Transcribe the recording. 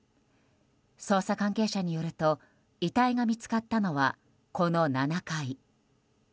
捜査関係者によると遺体が見つかったのはこの７階。